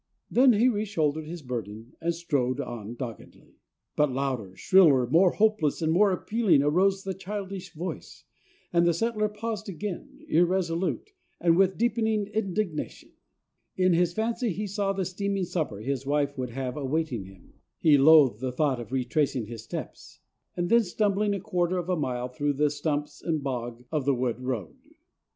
Then he reshouldered his burden and strode on doggedly. But louder, shriller, more hopeless and more appealing, arose the childish voice, and the settler paused again, irresolute, and with deepening indignation. In his fancy he saw the steaming supper his wife would have awaiting him. He loathed the thought of retracing his steps, and then stumbling a quarter of a mile through the stumps and bog of the wood road.